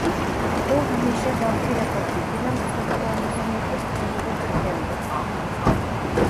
ئۇ ھەمىشە بالدۇر ياتاتتى. گىلەم ئۈستىدە ئوڭدىسىغا يېتىپ جۇۋىغا پۈركەندى.